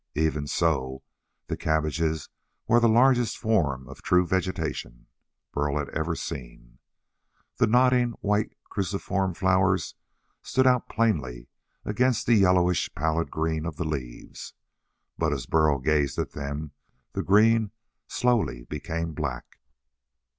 Even so, the cabbages were the largest form of true vegetation Burl had ever seen. The nodding white cruciform flowers stood out plainly against the yellowish, pallid green of the leaves. But as Burl gazed at them, the green slowly became black.